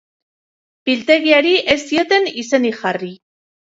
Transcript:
Biltegiari ez zioten izenik jarri.